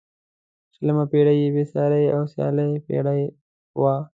شلمه پيړۍ بې سیارې او سیاله پيړۍ وه.